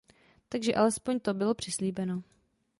Takže alespoň to bylo přislíbeno.